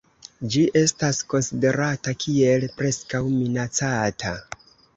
Ĝi estas konsiderata kiel Preskaŭ Minacata.